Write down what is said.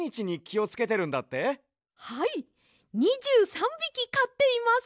はい２３びきかっています！